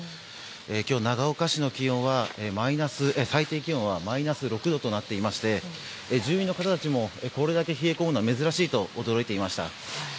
今日、長岡市の最低気温はマイナス６度となっていまして住民の方たちもこれだけ冷え込むのは珍しいと話していました。